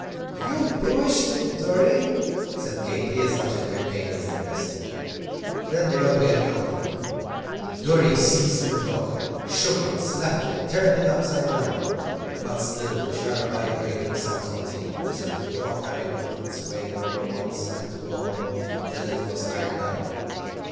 "You've bewitched it, Dorry!" said Katy, as much entertained as the rest. Then they all began counting. Dorry seized the clock shook it, slapped it, turned it upside down. But still the sharp, vibrating sounds continued, as if the clock, having got its own way for once, meant to go on till it was tired out.